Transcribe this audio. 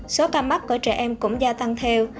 số ca mắc của trẻ em cũng gia tăng theo